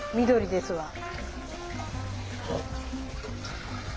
緑ですわ。